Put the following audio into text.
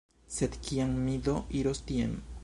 Sed kiam mi do iros tien?